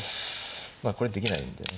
まあこれできないんだよね。